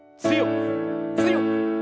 強く強く。